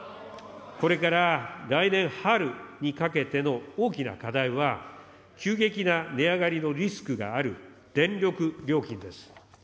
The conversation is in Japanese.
これから来年春にかけての大きな課題は、急激な値上がりのリスクがある電力料金です。